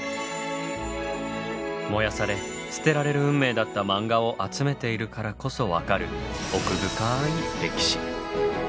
燃やされ捨てられる運命だったマンガを集めているからこそ分かる奥深い歴史。